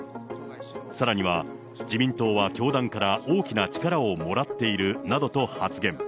さらには、自民党は教団から大きな力をもらっているなどと発言。